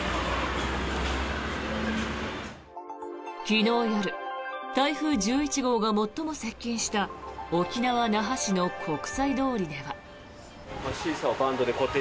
昨日夜台風１１号が最も接近した沖縄・那覇市の国際通りでは。